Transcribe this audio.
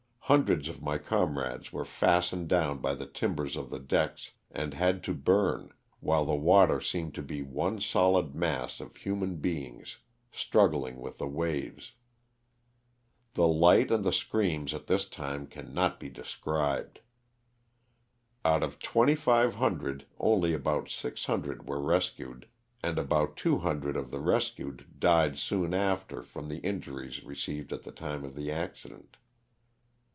Hundreds of my comrades were fastened down by the timbers of the decks and had to burn, while the water seemed to be one solid mass cf human beings struggling with the waves. The light and the screams at this time cannot be described. Out of 2,500 only about 600 were rescued, and about 200 of the rescued died soon after from the injuries received at the time of the accident.